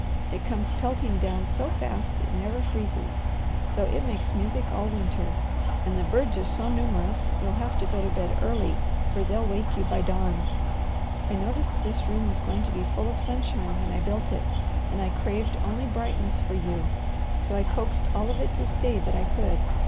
It comes pelting down so fast it never freezes, so it makes music all winter, and the birds are so numerous you'll have to go to bed early for they'll wake you by dawn. I noticed this room was going to be full of sunshine when I built it, and I craved only brightness for you, so I coaxed all of it to stay that I could.